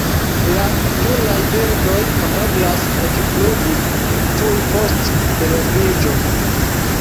La junaj birdoj kapablas ekflugi tuj post eloviĝo.